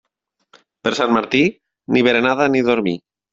Per Sant Martí, ni berenada ni dormir.